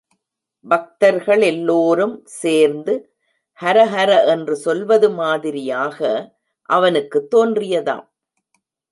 பக்தர்கள் எல்லோரும் சேர்ந்து ஹர ஹர என்று சொல்வது மாதிரியாக அவனுக்குத் தோன்றியதாம்.